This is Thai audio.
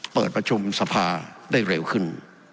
เปิดประชุมสภาได้เร็วขึ้น